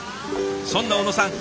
そんな小野さん